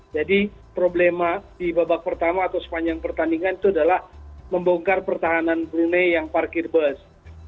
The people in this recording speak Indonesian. jadi problema di babak pertama atau sepanjang pertandingan itu adalah membongkar pertahanan brunei yang parkir bus